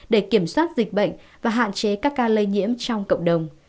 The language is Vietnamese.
để kiểm soát dịch bệnh và hạn chế các ca lây nhiễm trong cộng đồng